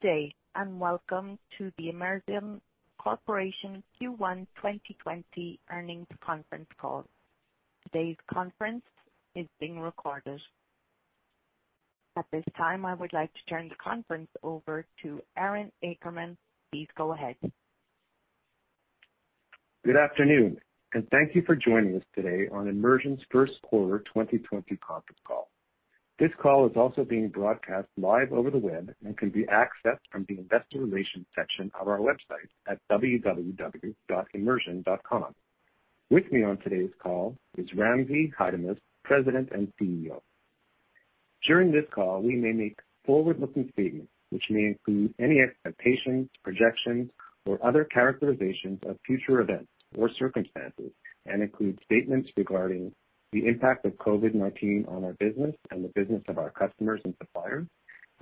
Good day. Welcome to the Immersion Corporation Q1 2020 earnings conference call. Today's conference is being recorded. At this time, I would like to turn the conference over to Aaron Akerman. Please go ahead. Good afternoon, and thank you for joining us today on Immersion's first quarter 2020 conference call. This call is also being broadcast live over the web and can be accessed from the Investor Relations section of our website at www.immersion.com. With me on today's call is Ramzi Haidamus, President and CEO. During this call, we may make forward-looking statements, which may include any expectations, projections, or other characterizations of future events or circumstances, and include statements regarding the impact of COVID-19 on our business and the business of our customers and suppliers,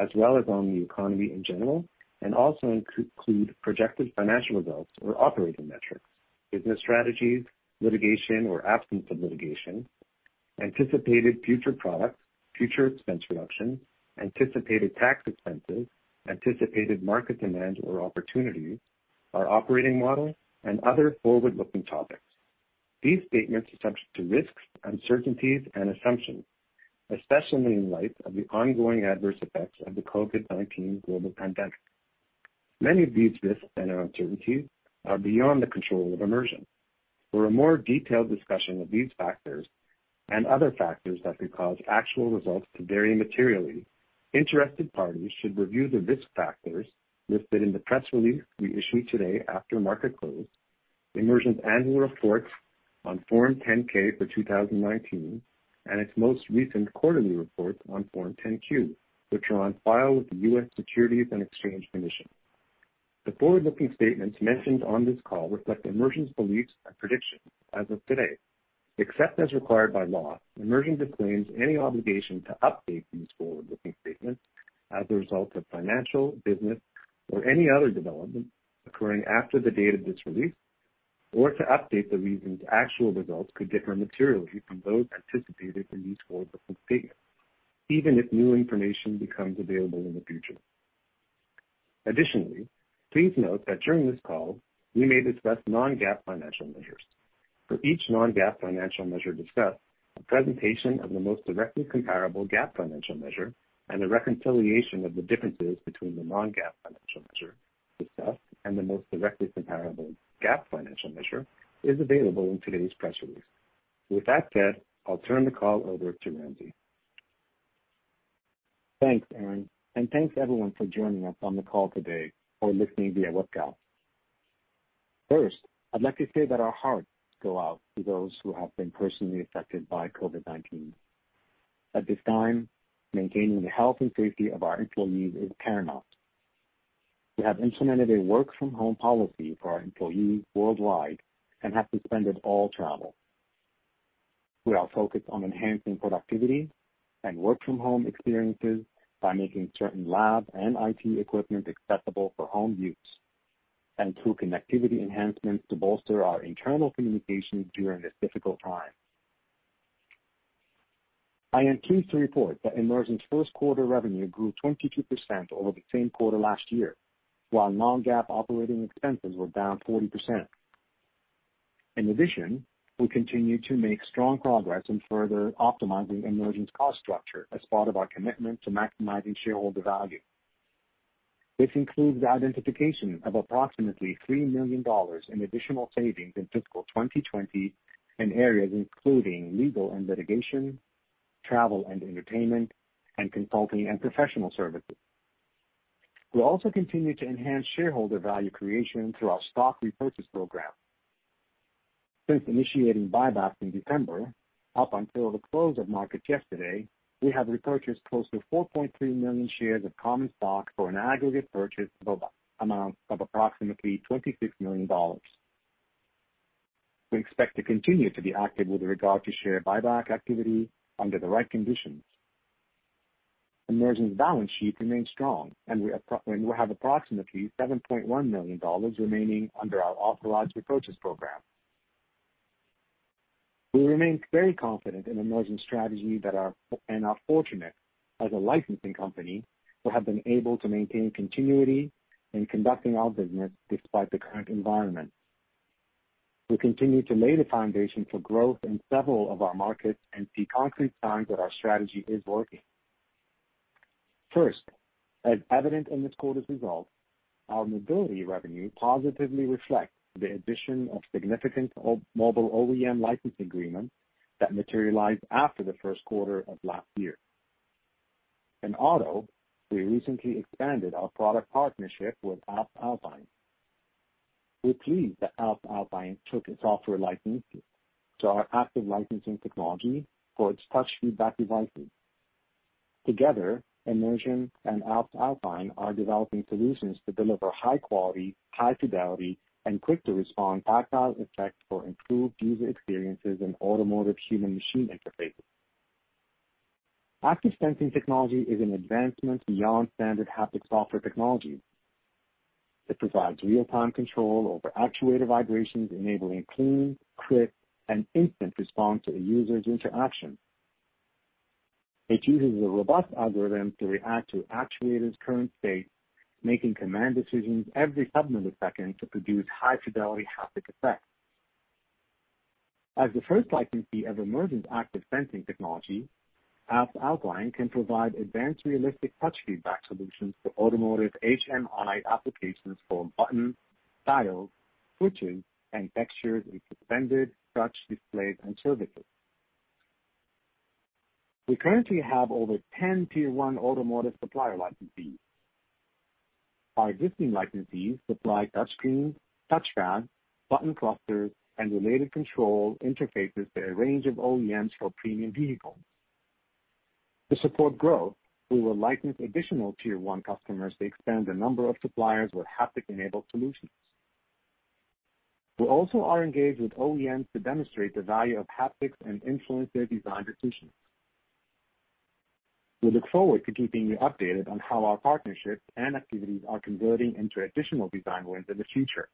as well as on the economy in general, and also include projected financial results or operating metrics, business strategies, litigation or absence of litigation, anticipated future products, future expense reduction, anticipated tax expenses, anticipated market demand or opportunities, our operating model, and other forward-looking topics. These statements are subject to risks, uncertainties, and assumptions, especially in light of the ongoing adverse effects of the COVID-19 global pandemic. Many of these risks and uncertainties are beyond the control of Immersion. For a more detailed discussion of these factors and other factors that could cause actual results to vary materially, interested parties should review the Risk Factors listed in the press release we issued today after market close, Immersion's Annual Report on Form 10-K for 2019, and its most recent quarterly report on Form 10-Q, which are on file with the U.S. Securities and Exchange Commission. The forward-looking statements mentioned on this call reflect Immersion's beliefs and predictions as of today. Except as required by law, Immersion disclaims any obligation to update these forward-looking statements as a result of financial, business, or any other development occurring after the date of this release, or to update the reasons actual results could differ materially from those anticipated in these forward-looking statements, even if new information becomes available in the future. Additionally, please note that during this call, we may discuss non-GAAP financial measures. For each non-GAAP financial measure discussed, a presentation of the most directly comparable GAAP financial measure and a reconciliation of the differences between the non-GAAP financial measure discussed and the most directly comparable GAAP financial measure is available in today's press release. With that said, I'll turn the call over to Ramzi. Thanks, Aaron, and thanks, everyone, for joining us on the call today or listening via webcast. First, I'd like to say that our hearts go out to those who have been personally affected by COVID-19. At this time, maintaining the health and safety of our employees is paramount. We have implemented a work-from-home policy for our employees worldwide and have suspended all travel. We are focused on enhancing productivity and work-from-home experiences by making certain lab and IT equipment acceptable for home use and through connectivity enhancements to bolster our internal communications during this difficult time. I am pleased to report that Immersion's first quarter revenue grew 22% over the same quarter last year, while non-GAAP operating expenses were down 40%. In addition, we continue to make strong progress in further optimizing Immersion's cost structure as part of our commitment to maximizing shareholder value. This includes the identification of approximately $3 million in additional savings in fiscal 2020 in areas including legal and litigation, travel and entertainment, and consulting and professional services. We'll also continue to enhance shareholder value creation through our stock repurchase program. Since initiating buybacks in December, up until the close of markets yesterday, we have repurchased close to 4.3 million shares of common stock for an aggregate purchase amount of approximately $26 million. We expect to continue to be active with regard to share buyback activity under the right conditions. Immersion's balance sheet remains strong, and we have approximately $7.1 million remaining under our authorized repurchase program. We remain very confident in Immersion's strategy and are fortunate, as a licensing company, to have been able to maintain continuity in conducting our business despite the current environment. We continue to lay the foundation for growth in several of our markets and see concrete signs that our strategy is working. First, as evident in this quarter's results, our mobility revenue positively reflects the addition of significant mobile OEM license agreements that materialized after the first quarter of last year. In auto, we recently expanded our product partnership with Alps Alpine. We're pleased that Alps Alpine took a software license to our Active Sensing Technology for its touch feedback devices. Together, Immersion and Alps Alpine are developing solutions to deliver high-quality, high-fidelity, and quick-to-respond tactile effects for improved user experiences in automotive human-machine interfaces. Active Sensing Technology is an advancement beyond standard haptic software technology. It provides real-time control over actuator vibrations, enabling clean, crisp, and instant response to a user's interaction. It uses a robust algorithm to react to an actuator's current state, making command decisions every sub-millisecond to produce high-fidelity haptic effects. As the first licensee of Immersion's Active Sensing Technology, Alps Alpine can provide advanced realistic touch feedback solutions for automotive HMI applications for buttons, dials, switches, and textures in suspended touch displays and surfaces. We currently have over 10 Tier 1 automotive supplier licensees. Our existing licensees supply touchscreens, touchpads, button clusters, and related control interfaces to a range of OEMs for premium vehicles. To support growth, we will license additional Tier 1 customers to expand the number of suppliers with haptic-enabled solutions. We also are engaged with OEMs to demonstrate the value of haptics and influence their design decisions. We look forward to keeping you updated on how our partnerships and activities are converting into additional design wins in the future.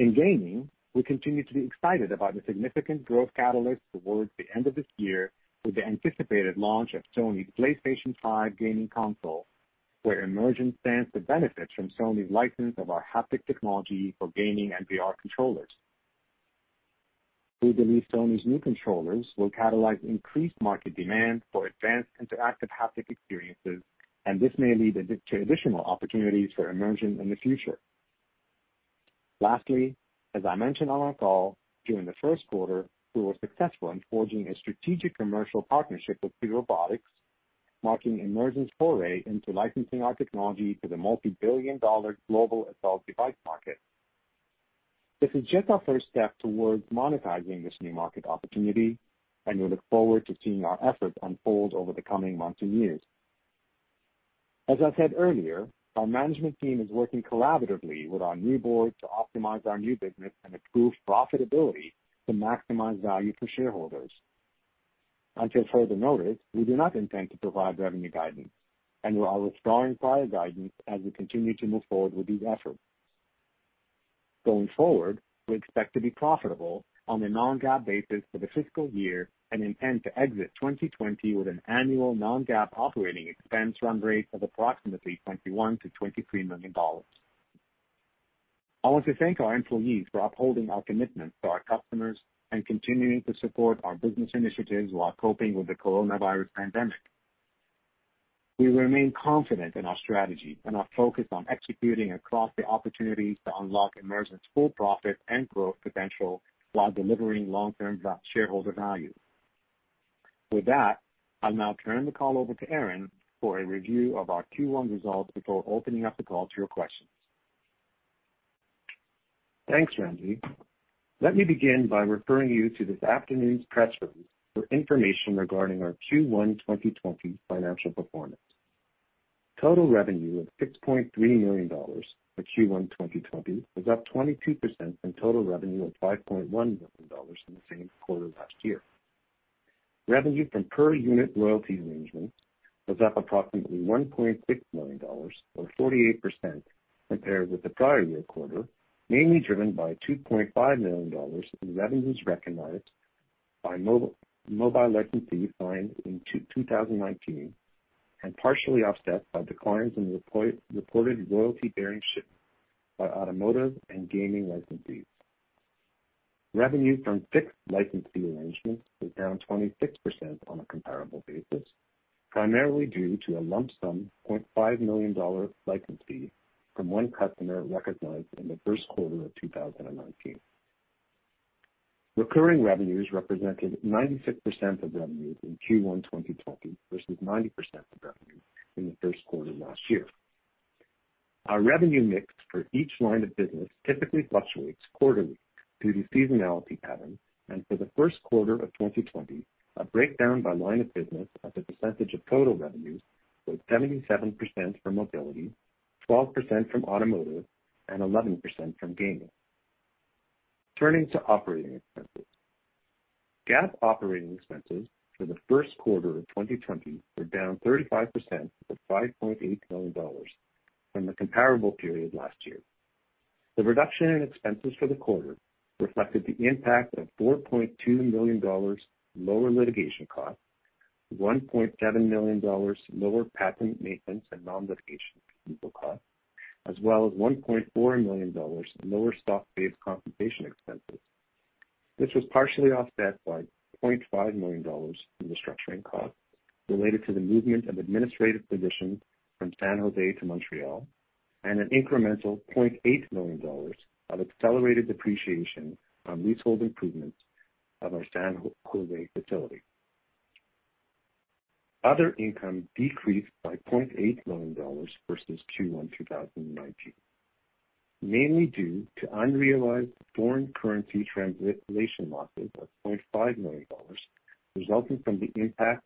In gaming, we continue to be excited about the significant growth catalyst towards the end of this year with the anticipated launch of Sony PlayStation 5 gaming console, where Immersion stands to benefit from Sony's license of our haptic technology for gaming and VR controllers. We believe Sony's new controllers will catalyze increased market demand for advanced interactive haptic experiences, and this may lead to additional opportunities for Immersion in the future. Lastly, as I mentioned on our call, during the first quarter, we were successful in forging a strategic commercial partnership with FeelRobotics, marking Immersion's foray into licensing our technology to the multi-billion dollar global adult device market. This is just our first step towards monetizing this new market opportunity, and we look forward to seeing our efforts unfold over the coming months and years. As I said earlier, our management team is working collaboratively with our new board to optimize our new business and improve profitability to maximize value for shareholders. Until further notice, we do not intend to provide revenue guidance and we are withdrawing prior guidance as we continue to move forward with these efforts. Going forward, we expect to be profitable on a non-GAAP basis for the fiscal year and intend to exit 2020 with an annual non-GAAP operating expense run rate of approximately $21 million-$23 million. I want to thank our employees for upholding our commitment to our customers and continuing to support our business initiatives while coping with the coronavirus pandemic. We remain confident in our strategy and our focus on executing across the opportunities to unlock Immersion's full profit and growth potential while delivering long-term shareholder value. With that, I'll now turn the call over to Aaron for a review of our Q1 results before opening up the call to your questions. Thanks, Ramzi. Let me begin by referring you to this afternoon's press release for information regarding our Q1 2020 financial performance. Total revenue of $6.3 million for Q1 2020 was up 22% from total revenue of $5.1 million in the same quarter last year. Revenue from per-unit royalty arrangements was up approximately $1.6 million, or 48%, compared with the prior year quarter, mainly driven by $2.5 million in revenues recognized by mobile licensees signed in 2019, and partially offset by declines in the reported royalty-bearing shipments by automotive and gaming licensees. Revenue from fixed licensee arrangements was down 26% on a comparable basis, primarily due to a lump sum $0.5 million license fee from one customer recognized in the first quarter of 2019. Recurring revenues represented 96% of revenues in Q1 2020, versus 90% of revenue in the first quarter last year. Our revenue mix for each line of business typically fluctuates quarterly due to seasonality patterns. For the first quarter of 2020, a breakdown by line of business as a percentage of total revenue was 77% from mobility, 12% from automotive, and 11% from gaming. Turning to operating expenses. GAAP operating expenses for the first quarter of 2020 were down 35% to $5.8 million from the comparable period last year. The reduction in expenses for the quarter reflected the impact of $4.2 million lower litigation costs, $1.7 million lower patent maintenance and non-litigation legal costs, as well as $1.4 million lower stock-based compensation expenses. This was partially offset by $0.5 million in restructuring costs related to the movement of administrative positions from San Jose to Montreal and an incremental $0.8 million of accelerated depreciation on leasehold improvements of our San Jose facility. Other income decreased by $0.8 million versus Q1 2019, mainly due to unrealized foreign currency translation losses of $0.5 million, resulting from the impact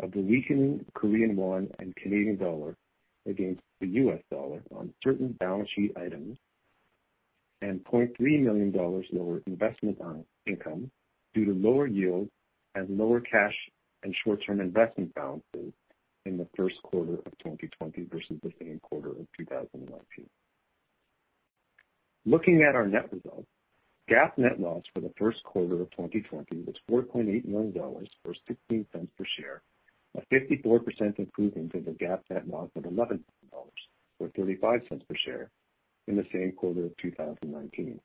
of the weakening Korean won and Canadian dollar against the US dollar on certain balance sheet items, and $0.3 million lower investment income due to lower yield and lower cash and short-term investment balances in the first quarter of 2020 versus the same quarter of 2019. Looking at our net results, GAAP net loss for the first quarter of 2020 was $4.8 million, or $0.16 per share, a 54% improvement of the GAAP net loss of $11 million, or $0.35 per share in the same quarter of 2019.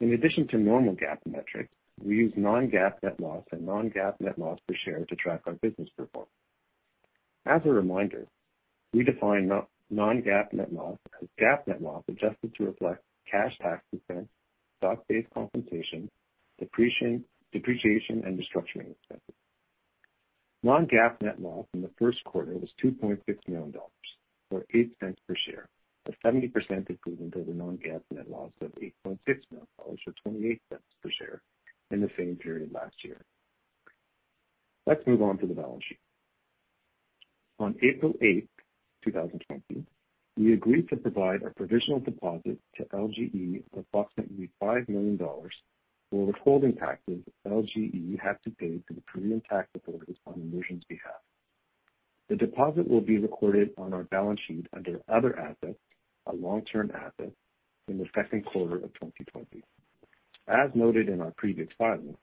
In addition to normal GAAP metrics, we use non-GAAP net loss and non-GAAP net loss per share to track our business performance. As a reminder, we define non-GAAP net loss as GAAP net loss adjusted to reflect cash tax expense, stock-based compensation, depreciation, and restructuring expenses. Non-GAAP net loss in the first quarter was $2.6 million, or $0.08 per share, a 70% improvement over non-GAAP net loss of $8.6 million, or $0.28 per share in the same period last year. Let's move on to the balance sheet. On April 8th, 2020, we agreed to provide a provisional deposit to LGE of approximately $5 million for withholding taxes LGE had to pay to the Korean Tax Authorities on Immersion's behalf. The deposit will be recorded on our balance sheet under other assets, a long-term asset, in the second quarter of 2020. As noted in our previous filing,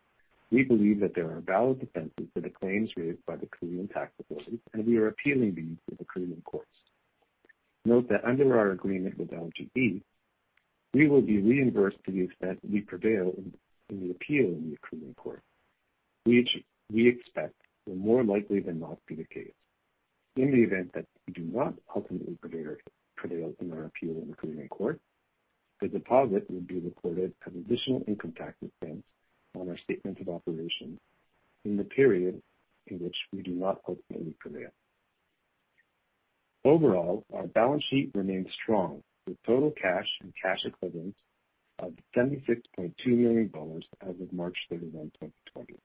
we believe that there are valid defenses to the claims raised by the Korean Tax Authorities. We are appealing these to the Korean courts. Note that under our agreement with LGE, we will be reimbursed to the extent we prevail in the appeal in the Korean court, which we expect will more likely than not be the case. In the event that we do not ultimately prevail in our appeal in the Korean court, the deposit will be recorded as additional income tax expense on our statement of operations in the period in which we do not ultimately prevail. Overall, our balance sheet remains strong, with total cash and cash equivalents of $76.2 million as of March 31, 2020.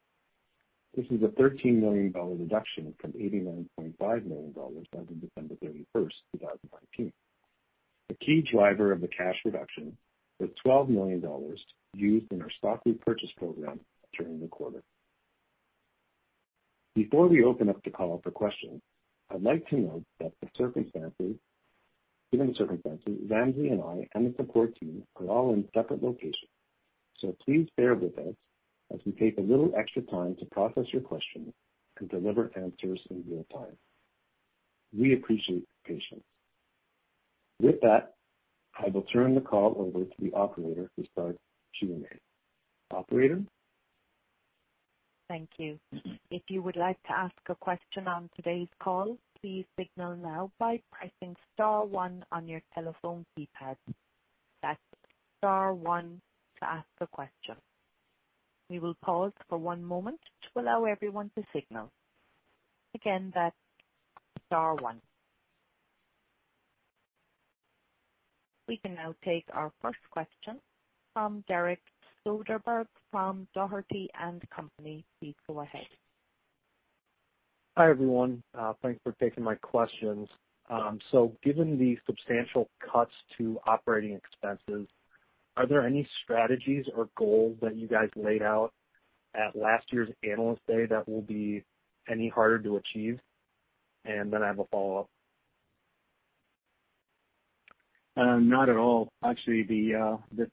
This is a $13 million reduction from $89.5 million as of December 31st, 2019. The key driver of the cash reduction was $12 million used in our stock repurchase program during the quarter. Before we open up the call for questions, I'd like to note that given the circumstances, Ramzi and I, and the support team are all in separate locations. Please bear with us as we take a little extra time to process your questions and deliver answers in real time. We appreciate your patience. With that, I will turn the call over to the operator to start Q&A. Operator? Thank you. If you would like to ask a question on today's call, please signal now by pressing star one on your telephone keypad. That's star one to ask a question. We will pause for one moment to allow everyone to signal. Again, that's star one. We can now take our first question from Derek Soderberg from Dougherty & Company. Please go ahead. Hi, everyone. Thanks for taking my questions. Given the substantial cuts to operating expenses, are there any strategies or goals that you guys laid out at last year's Analyst Day that will be any harder to achieve? I have a follow-up. Not at all. Actually, this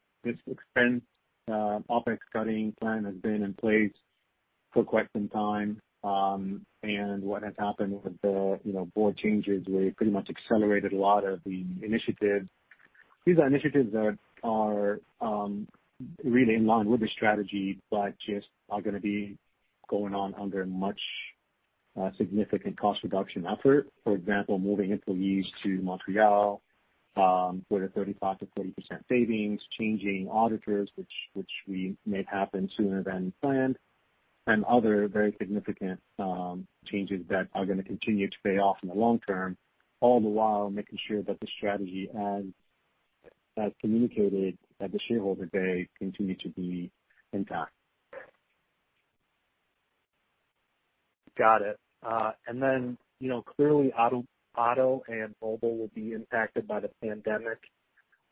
expense, OpEx cutting plan has been in place for quite some time. What has happened with the Board changes, we pretty much accelerated a lot of the initiatives. These are initiatives that are really in line with the strategy but just are going to be going on under much significant cost reduction effort. For example, moving employees to Montreal, with a 35%-40% savings. Changing auditors, which we made happen sooner than planned, and other very significant changes that are going to continue to pay off in the long term, all the while making sure that the strategy as communicated at the Shareholder Day continues to be intact. Got it. Clearly auto and mobile will be impacted by the pandemic.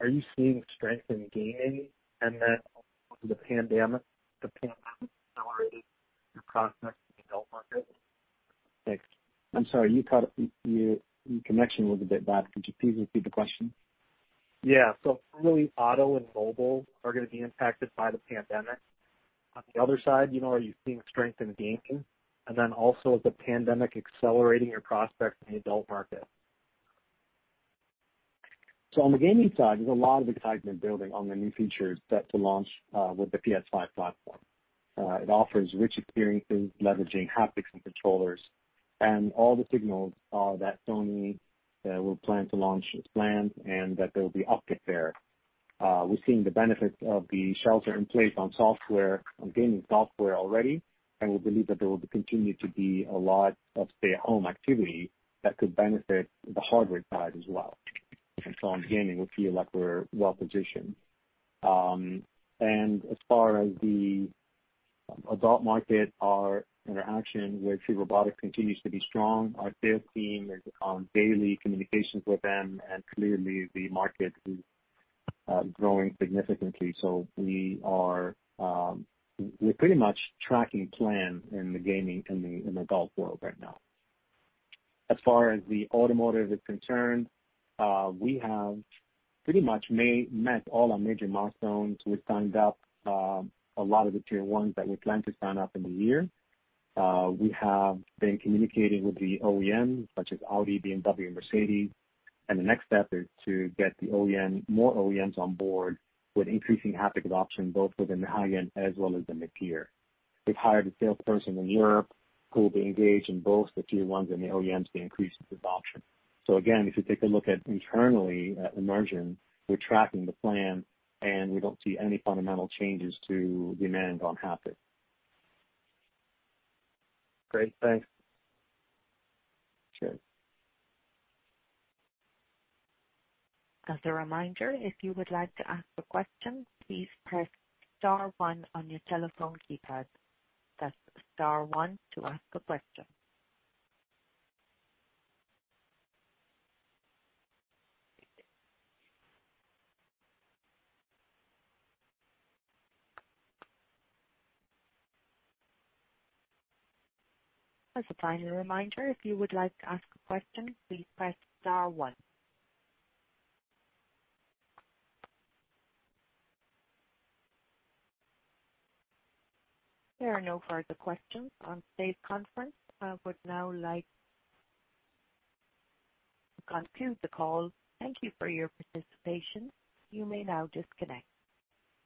Are you seeing strength in gaming? Also the pandemic accelerating your prospects in the adult market? Thanks. I'm sorry. Your connection was a bit bad. Could you please repeat the question? Clearly auto and mobile are going to be impacted by the pandemic. On the other side, are you seeing strength in gaming? Also is the pandemic accelerating your prospects in the adult market? On the gaming side, there's a lot of excitement building on the new features set to launch with the PS5 platform. It offers rich experiences leveraging haptics and controllers, and all the signals are that Sony will plan to launch as planned and that there will be uptake there. We're seeing the benefits of the shelter-in-place on gaming software already, and we believe that there will continue to be a lot of stay-at-home activity that could benefit the hardware side as well. On gaming, we feel like we're well-positioned. As far as the adult market, our interaction with FeelRobotics continues to be strong. Our sales team is on daily communications with them. Clearly the market is growing significantly. We're pretty much tracking plan in the gaming, in the adult market right now. As far as the automotive is concerned, we have pretty much met all our major milestones. We've signed up a lot of the Tier 1s that we plan to sign up in the year. We have been communicating with the OEMs such as Audi, BMW, and Mercedes. The next step is to get more OEMs on board with increasing haptic adoption, both within the high-end as well as the mid-tier. We've hired a salesperson in Europe who will be engaged in both the Tier 1s and the OEMs to increase adoption. Again, if you take a look at internally at Immersion, we're tracking the plan, and we don't see any fundamental changes to demand on haptic. Great. Thanks. Sure. As a reminder, if you would like to ask a question, please press star one on your telephone keypad. That's star one to ask a question. As a final reminder, if you would like to ask a question, please press star one. There are no further questions on today's conference. I would now like to conclude the call. Thank you for your participation. You may now disconnect.